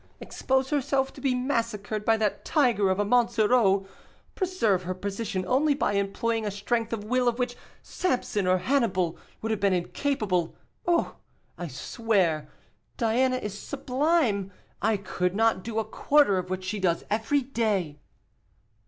expose herself to be massacred by that tiger of a Monsoreau, preserve her position only by employing a strength of will of which Samson or Hannibal would have been incapable. Oh! I swear, Diana is sublime, I could not do a quarter of what she does every day."